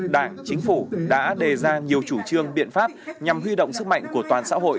đảng chính phủ đã đề ra nhiều chủ trương biện pháp nhằm huy động sức mạnh của toàn xã hội